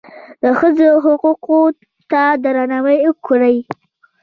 د ښځو حقوقو ته درناوی وکړئ